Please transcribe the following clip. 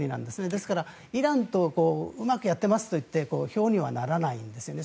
ですからイランとうまくやっていますといって票にはならないんですよね。